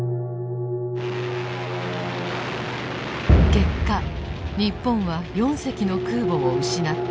結果日本は４隻の空母を失って敗北。